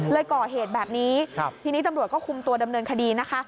ก่อเหตุแบบนี้ทีนี้ตำรวจก็คุมตัวดำเนินคดีนะคะ